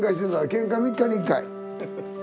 けんか３日に１回。